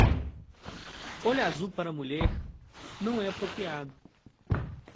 Olho azul para mulher não é apropriado.